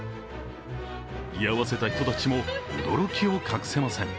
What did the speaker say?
居合わせた人たちも、驚きを隠せません。